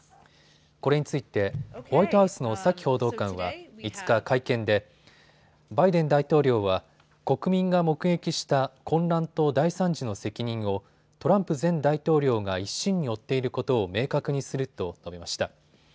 これについてホワイトハウスのサキ報道官は５日、会見でバイデン大統領は国民が目撃した混乱と大惨事の責任をトランプ前大統領が一身に負っていることを明確にすると述べました。